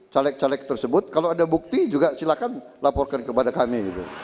caleg caleg tersebut kalau ada bukti juga silakan laporkan kepada kami